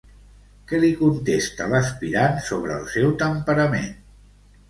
Què li contesta l'aspirant sobre el seu temperament?